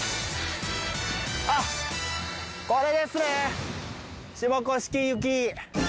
あっこれですね！